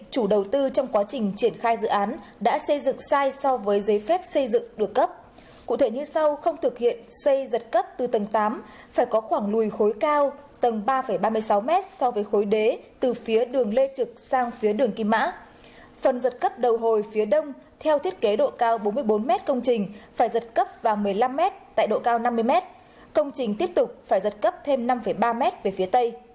công trình tiếp tục phải giật cấp thêm năm ba m về phía tây